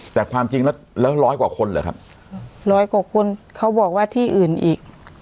แต่ความจริงแล้วแล้วร้อยกว่าคนเหรอครับร้อยกว่าคนเขาบอกว่าที่อื่นอีก